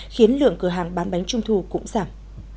khiến lượng cửa hàng bán bánh trung thu cũng giảm